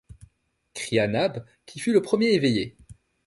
cria Nab, qui fut le premier éveillé